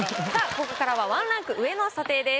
ここからは１ランク上の査定です。